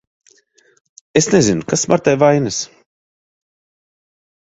Es nezinu, kas Martai vainas.